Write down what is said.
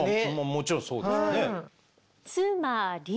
もちろんそうだよね。